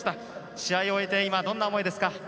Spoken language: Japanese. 試合を終えて今どんな思いですか。